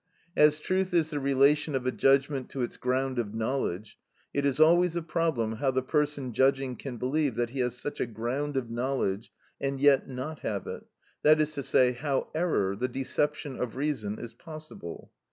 As truth is the relation of a judgment to its ground of knowledge, it is always a problem how the person judging can believe that he has such a ground of knowledge and yet not have it; that is to say, how error, the deception of reason, is possible.